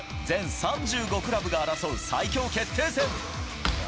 全３５クラブが争う最強決定戦。